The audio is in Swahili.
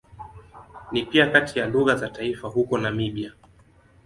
Ni pia kati ya lugha za taifa huko Namibia.